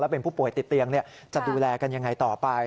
เป็นผู้ป่วยติดเตียงจะดูแลกันยังไงต่อไป